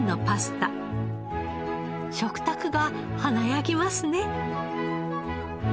食卓が華やぎますね。